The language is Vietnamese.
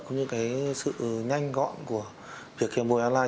cũng như cái sự nhanh gọn của việc khi em mua online